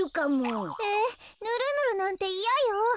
えぬるぬるなんていやよ！